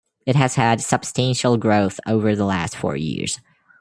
It has had substantial growth over the last four years.